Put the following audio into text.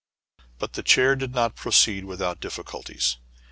But the chair did not proceed without difficul ties.